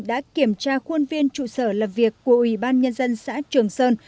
đã kiểm tra khuôn viên trụ sở làm việc của ủy ban nhân dân xã trường sơn